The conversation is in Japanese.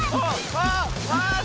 あっ！